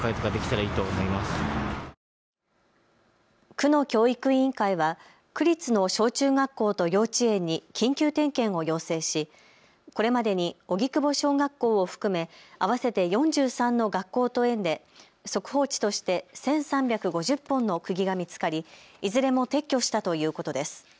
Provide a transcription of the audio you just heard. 区の教育委員会は区立の小中学校と幼稚園に緊急点検を要請しこれまでに荻窪小学校を含め合わせて４３の学校と園で速報値として１３５０本のくぎが見つかりいずれも撤去したということです。